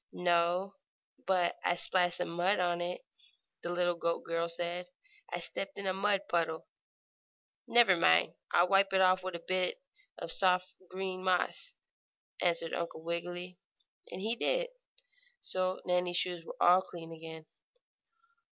"No, but I splashed some mud on it," the little goat girl said. "I stepped in a mud puddle." "Never mind, I'll wipe it off with a bit of soft green moss," answered Uncle Wiggily; and he did. So Nannie's shoes were all clean again.